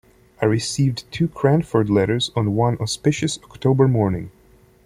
I received two Cranford letters on one auspicious October morning.